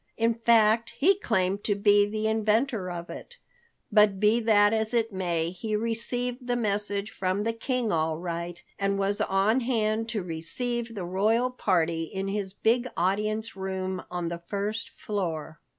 In fact, he claimed to be the inventor of it. But be that as it may, he received the message from the King all right, and was on hand to receive the royal party in his big audience room on the first floor.